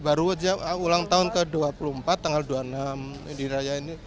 baru ulang tahun ke dua puluh empat tanggal dua puluh enam indiraya ini